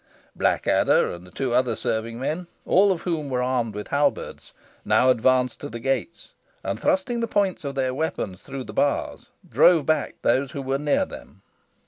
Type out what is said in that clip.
Blackadder and the two other serving men, all of whom were armed with halberts, now advanced to the gates, and, thrusting the points of their weapons through the bars, drove back those who were near them.